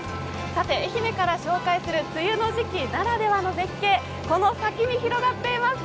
さて、愛媛から紹介する梅雨の時期ならではの絶景この先に広がっています。